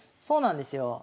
そうなんですよ。